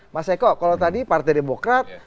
mas eko kalau tadi partai demokrat